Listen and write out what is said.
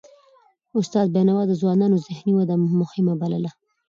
استاد بينوا د ځوانانو ذهني وده مهمه بلله.